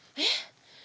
えっ？